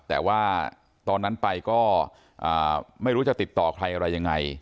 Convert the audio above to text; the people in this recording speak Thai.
แต่ว่าตอนนั้นไปก็ไม่รู้จะติดต่อใครอะไรยังไง